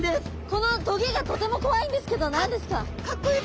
このトゲがとてもこわいんですけど何ですか？